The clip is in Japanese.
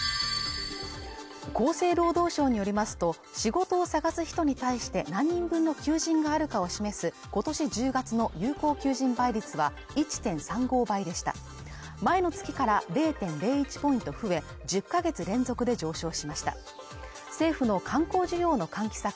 厚生労働省によりますと仕事を探す人に対して何人分の求人があるかを示すことし１０月の有効求人倍率は１．３５倍でした前の月から０．１ポイント増え１０か月連続で上昇しました政府の観光需要の喚起策